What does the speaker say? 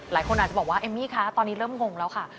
หลายคนอาจจะบอกว่าเอมมี่คะตอนนี้เริ่มงงแล้วค่ะ